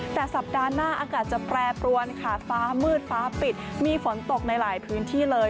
แต่สัปดาห์หน้าอากาศจะแปรปรวนค่ะฟ้ามืดฟ้าปิดมีฝนตกในหลายพื้นที่เลย